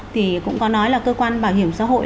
thì cũng có nói là cơ quan bảo hiểm xã hội